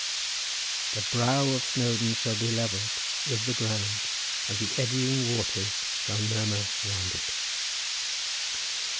'The brow of Snowdon shall be levelled with the ground, and the eddying waters shall murmur round it.